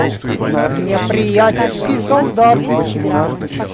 Неприятельский солдат.